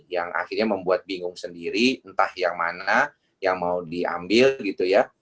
yang akhirnya membuat bingung sendiri entah yang mana yang mau diambil gitu ya